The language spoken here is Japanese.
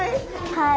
はい。